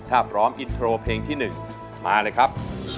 ถ้าพร้อมอินโทรเพลงที่๑มาเลยครับ